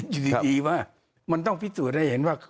อยู่ดีว่ามันต้องพิสูจน์ให้เห็นว่า